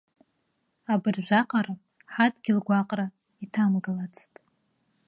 Абыржә аҟара ҳадгьыл гәаҟра иҭамгылацт!